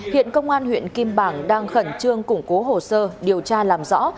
hiện công an huyện kim bảng đang khẩn trương củng cố hồ sơ điều tra làm rõ